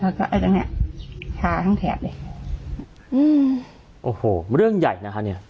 แล้วก็ไอ้ตรงเนี้ยชาทั้งแถบเลยอืมโอ้โหเรื่องใหญ่นะคะเนี้ย